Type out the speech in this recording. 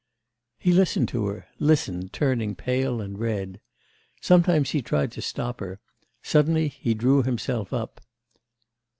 He listened to her, listened, turning pale and red. Sometimes he tried to stop her; suddenly he drew himself up.